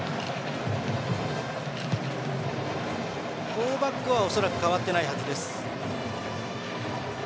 ４バックは恐らく変わってないはずです。